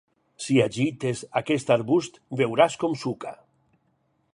Si agites aquest arbust veuràs com suca.